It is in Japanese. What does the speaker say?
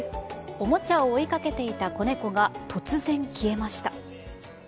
おもちゃを追いかけていた子猫が突然消えました。